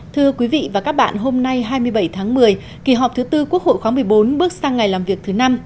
thưa quý vị và các bạn hôm nay hai mươi bảy tháng một mươi kỳ họp thứ tư quốc hội khóa một mươi bốn bước sang ngày làm việc thứ năm